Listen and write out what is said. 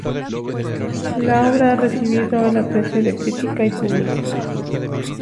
La obra ha recibido el aprecio de crítica y público.